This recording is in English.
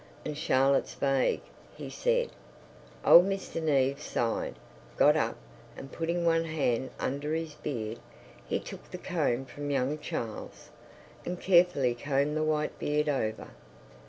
And Charlotte's vague, "He said—" Old Mr. Neave sighed, got up, and putting one hand under his beard, he took the comb from young Charles, and carefully combed the white beard over.